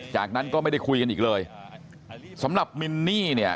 จากนั้นก็ไม่ได้คุยกันอีกเลยสำหรับมินนี่เนี่ย